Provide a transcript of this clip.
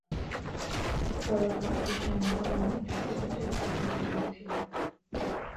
ফলত কৃষ্ণের মহাবাণী যুদ্ধক্ষেত্রেই প্রচারিত হইয়াছিল।